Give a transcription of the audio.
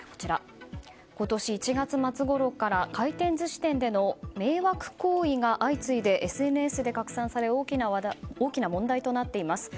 今年１月末ごろから回転寿司店での迷惑行為が相次いでＳＮＳで拡散され大きな問題となっています。